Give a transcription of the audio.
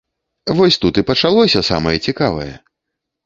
Вось тут і пачалося самае цікавае!